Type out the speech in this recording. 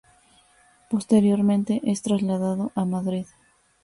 Posteriormente es trasladado a Madrid.